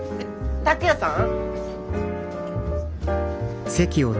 拓哉さん？